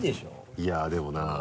いやでもな。